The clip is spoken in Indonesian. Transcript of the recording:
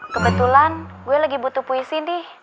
kebetulan gue lagi butuh puisi nih